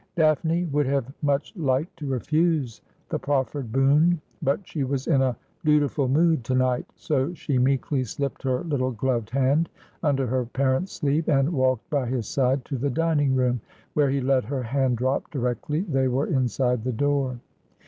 Daphne would have much liked to refuse the proffered boon, but she was in a dutiful mood to night, so she meekly slipped her little gloved hand under her parent's sleeve, and walked by his side to the dining room, where he let her hand drop directly they were inside the door.